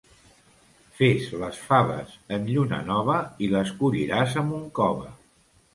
Fes les faves en lluna nova i les colliràs amb un cove.